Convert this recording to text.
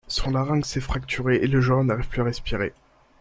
Son larynx est fracturé et le joueur n'arrive plus à respirer.